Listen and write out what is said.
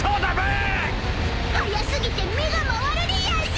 ［はや過ぎて目が回るでやんす！］